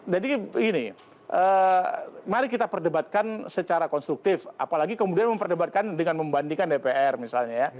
jadi begini mari kita perdebatkan secara konstruktif apalagi kemudian memperdebatkan dengan membandingkan dpr misalnya ya